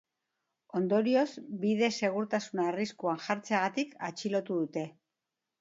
Ondorioz, bide-segurtasuna arriskuan jartzeagatik atxilotu dute.